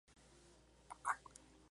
Gobernabilidad y Democracia".